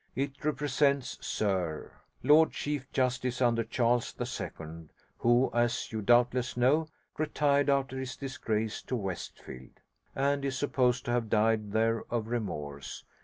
It represents Sir , Lord Chief Justice under Charles II, who, as you doubtless know, retired after his disgrace to Westfield, and is supposed to have died there of remorse.